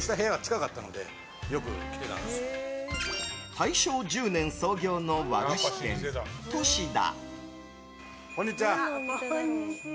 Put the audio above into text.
大正１０年創業の和菓子店とし田。